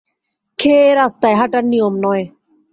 খেয়ে রাস্তায় হাঁটা নিয়ম নয়।